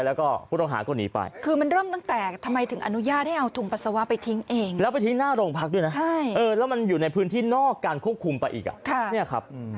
แล้วมันอยู่ในพื้นที่นอกการควบคุมไปอีก